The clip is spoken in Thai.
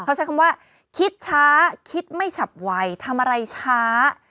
เขาใช้คำว่าคิดช้าคิดไม่ฉับไวทำอะไรช้า